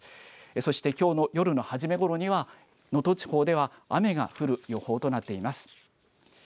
そしてきょうの夜の初めごろには能登地方では雨が降る予報となっています。